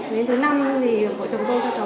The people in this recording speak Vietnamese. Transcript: đến thứ năm thì bộ chồng tôi cho cháu